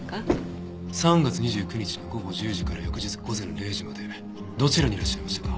３月２９日の午後１０時から翌日午前０時までどちらにいらっしゃいましたか？